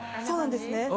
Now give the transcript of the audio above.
そうなんですね。